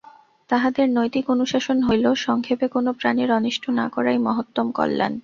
তাঁহাদের নৈতিক অনুশাসন হইল সংক্ষেপে কোন প্রাণীর অনিষ্ট না করাই মহত্তম কল্যাণ।